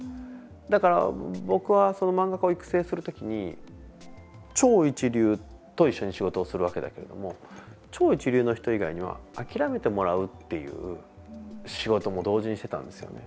だから僕は漫画家を育成する時に超一流と一緒に仕事をするわけだけれども超一流の人以外には諦めてもらうっていう仕事も同時にしてたんですよね。